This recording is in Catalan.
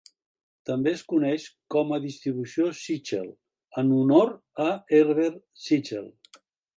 També es coneix com a distribució Sichel, en honor a Herbert Sichel.